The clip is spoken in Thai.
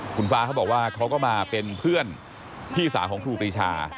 คุณฟ้าเขาบอกว่าเขาก็มาเป็นเพื่อนพี่สาวของครูปรีชา